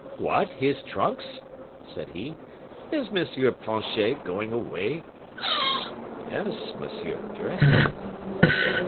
"What! his trunks?" said he; "is M. Planchet going away?" "Yes, monsieur, directly."